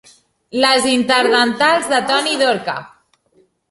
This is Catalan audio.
Les interdentals de Toni Dorca.